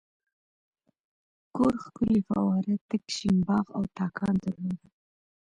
کور ښکلې فواره تک شین باغ او تاکان درلودل.